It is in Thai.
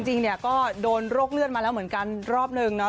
จริงเนี่ยก็โดนโรคเลือดมาแล้วเหมือนกันรอบนึงเนาะ